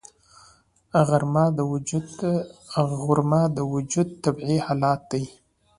غرمه د وجود طبیعي حالت دی